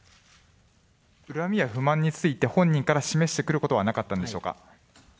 恨みや不満について、本人から示してくることはなかったんでしょうか？